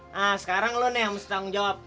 nah sekarang lo nih harus tanggung jawab